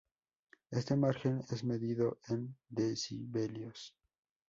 Este margen es medido en decibelios.